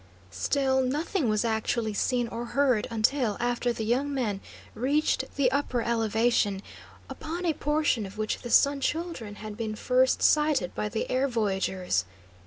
Still, nothing was actually seen or heard until after the young men reached the upper elevation, upon a portion of which the Sun Children had been first sighted by the air voyagers.